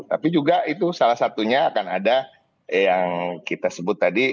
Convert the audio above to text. tapi juga itu salah satunya akan ada yang kita sebut tadi